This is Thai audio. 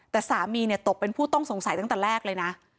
แต่สามีเนี่ยตกเป็นผู้ต้องสงสัยตั้งแต่แรกเลยนะ